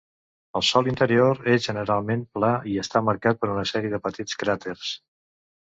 El sòl interior és generalment pla, i està marcat per una sèrie de petits cràters.